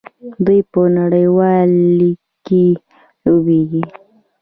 دوی په نړیوال لیګ کې لوبېږي.